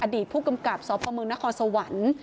อดีตผู้กำกับสพมนครสวรรค์